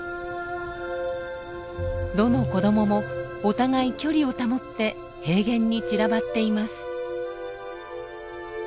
どの子どももお互い距離を保って平原に散らばっています。